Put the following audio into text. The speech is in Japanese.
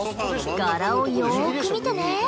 柄をよく見てね。